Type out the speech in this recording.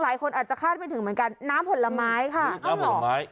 หลายคนอาจจะคาดไปถึงเหมือนกันน้ำผลไม้ค่ะค่ะ